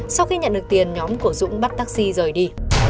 sau khi nhận được tiền nhóm của dũng bắt taxi rời đi